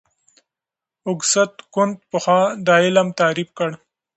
اګوست کُنت پخوا دا علم تعریف کړ.